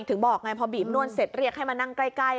ถึงบอกไงพอบีบนวดเสร็จเรียกให้มานั่งใกล้